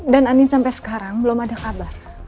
dan anin sampai sekarang belum ada kabar